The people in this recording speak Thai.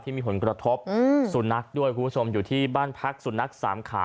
มีผลกระทบสุนัขด้วยคุณผู้ชมอยู่ที่บ้านพักสุนัขสามขา